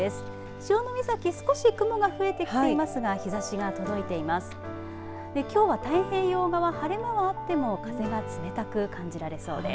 潮岬、少し雲が増えてきていますが日ざしが届いています。